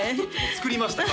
作りました